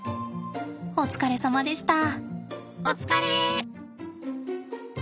お疲れさまでした。